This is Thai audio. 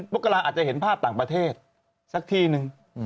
มกราอาจจะเห็นภาพต่างประเทศสักที่นึง